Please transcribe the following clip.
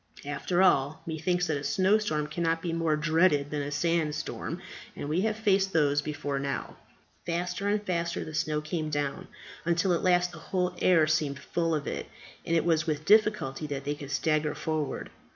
After all, methinks that a snowstorm cannot be more dreaded than a sandstorm, and we have faced those before now." Faster and faster the snow came down, until at last the whole air seemed full of it, and it was with difficulty that they could stagger forward.